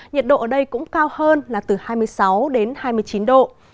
nhiệt độ ở đây cũng cao hơn là từ hai mươi sáu đến hai mươi chín độ